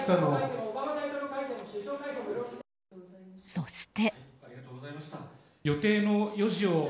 そして。